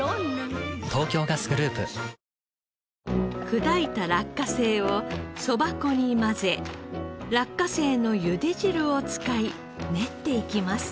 砕いた落花生をそば粉に混ぜ落花生のゆで汁を使い練っていきます。